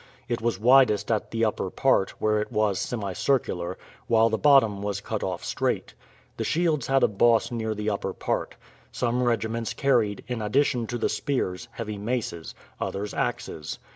It was widest at the upper part, where it was semicircular, while the bottom was cut off straight. The shields had a boss near the upper part. Some regiments carried, in addition to the spears, heavy maces, others axes.